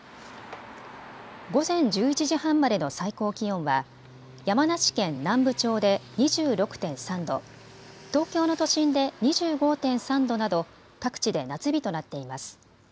午前１１時半までの最高気温は山梨県南部町で２６．３度、東京の都心で２５．３度など各地で夏日となっています。